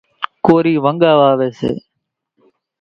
ڪورِي ونڳا واويَ سي۔